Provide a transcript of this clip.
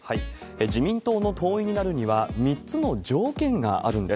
自民党の党員になるには、３つの条件があるんです。